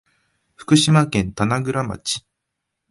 福島県棚倉町